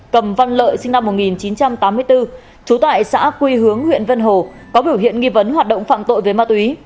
cầm văn lợi sinh năm một nghìn chín trăm tám mươi bốn trú tại xã quy hướng huyện vân hồ có biểu hiện nghi vấn hoạt động phạm tội về ma túy